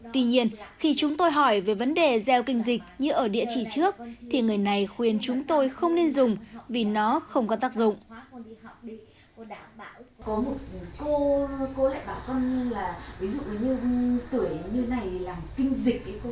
tuy nhiên khi chúng tôi hỏi về vấn đề gieo kinh dịch như ở địa chỉ trước thì người này khuyên chúng tôi không nên dùng vì nó không có tác dụng